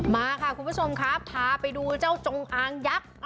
มาค่ะคุณผู้ชมครับพาไปดูเจ้าจงอางยักษ์